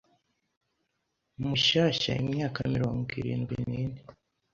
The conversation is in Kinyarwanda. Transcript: Mushyashya imyaka mirongo irindwi nine